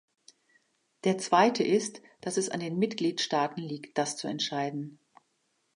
Der zweite ist, dass es an den Mitgliedstaaten liegt, das zu entscheiden.